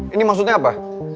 ini maksudnya apa